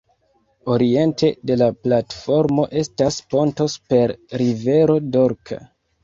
Oriente de la platformo estas ponto super rivero Dorka.